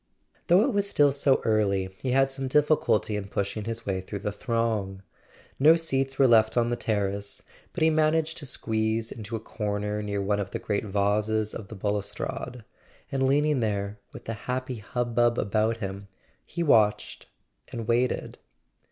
Though it was still so early he had some difficulty in pushing his way through the throng. No seats were left on the terrace, but he managed to squeeze into a corner near one of the great vases of the balustrade; and leaning there, with the happy hubbub about him, he watched and waited.